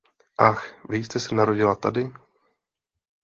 Ach, vy jste se narodila tady?